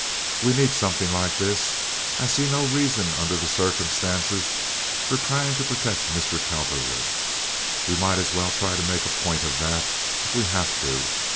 We need something like this. I see no reason under the circumstances for trying to protect Mr. Cowperwood. We might as well try to make a point of that, if we have to.